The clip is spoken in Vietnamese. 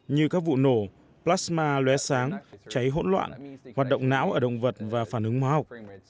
như các vụ nổ plasma lé sáng cháy hỗn loạn hoạt động não ở động vật và phản ứng hóa học